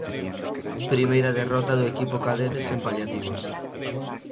Primeira derrota do equipo cadete sen paliativos.